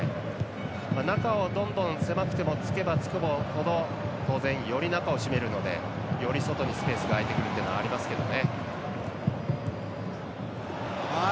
中をどんどん狭くてもつけばつくほど中をつくのでよりスペースが空いてくるというのがありますけどね。